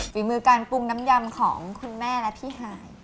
ฝีมือการปรุงน้ำยำของคุณแม่และพี่หาย